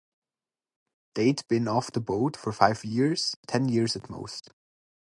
They'd been off the boat for five years, ten years at most.